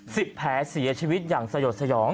แผลเสียชีวิตอย่างสยดสยอง